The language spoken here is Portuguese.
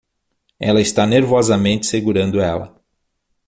Ela está nervosamente segurando ela